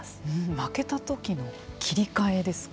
負けた時の切り替えですか。